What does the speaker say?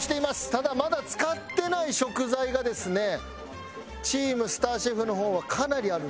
ただまだ使ってない食材がですねチームスターシェフの方はかなりある。